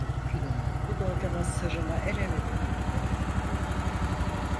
Bu dalganın sırrına eremedim gitti.